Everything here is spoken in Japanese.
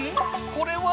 これは？